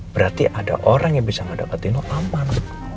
berarti ada orang yang bisa ngedeketin lo aman